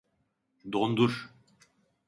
Dondur.